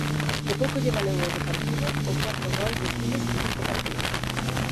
De pouco lle valeu ao Deportivo o cuarto gol de Quiles en cinco partidos.